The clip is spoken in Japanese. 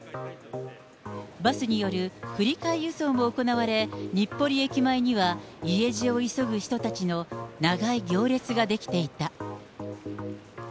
バスによる振り替え輸送も行われ、日暮里駅前には家路を急ぐ人たちの長い行列が出来ていた。